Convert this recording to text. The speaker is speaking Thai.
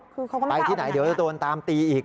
คือเขาก็ไปที่ไหนเดี๋ยวจะโดนตามตีอีก